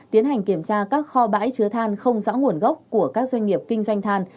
tiến hành kiểm tra các kho bãi chứa than không rõ nguồn gốc của các doanh nghiệp kinh doanh than